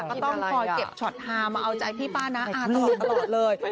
ก็ต้องคอยเก็บช็อตฮามาเอาใจพี่ป้าน้าอาตลอดเลย